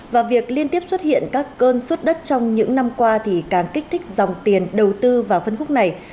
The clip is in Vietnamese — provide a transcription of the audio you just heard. và việc liên tiếp xuất hiện các cơn suốt đất trong những năm qua thì càng kích thích dòng tiền đầu tư vào phân khúc này